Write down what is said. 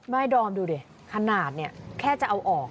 ดอมดูดิขนาดเนี่ยแค่จะเอาออก